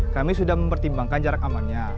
kami sudah mempertimbangkan jarak amannya